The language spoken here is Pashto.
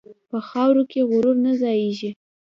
په خاورو کې غرور نه ځایېږي.